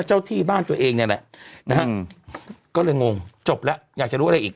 เจ้าที่บ้านตัวเองเนี่ยแหละนะฮะก็เลยงงจบแล้วอยากจะรู้อะไรอีก